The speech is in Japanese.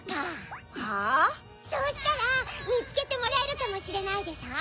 はぁ⁉そうしたらみつけてもらえるかもしれないでしょ？